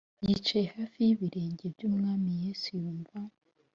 yicaye hafi y ibirenge by Umwami Yesu yumva